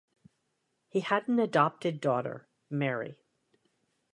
He had an adopted daughter, Mary.